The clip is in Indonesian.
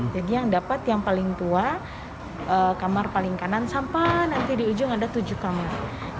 yang dapat yang paling tua kamar paling kanan sampah nanti di ujung ada tujuh kamar